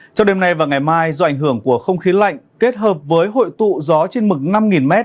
trong đêm nay và ngày mai do ảnh hưởng của không khí lạnh kết hợp với hội tụ gió trên mực năm m